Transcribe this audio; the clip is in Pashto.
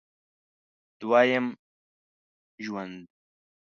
دوه یم ژوند